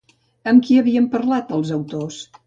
Amb qui havien parlat els autors?